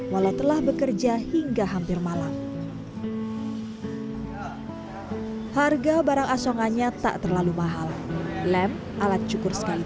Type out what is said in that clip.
walau telah bekerja hingga hampir malam harga barang asongannya tak terlalu mahal lem alat cukur sekali